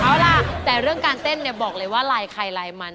เอาล่ะแต่เรื่องการเต้นเนี่ยบอกเลยว่าลายใครลายมัน